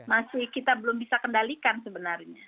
artinya transmisi komunitas masih kita belum bisa kendalikan sebenarnya